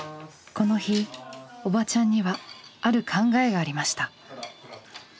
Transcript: この日おばちゃんにはある考えがありました。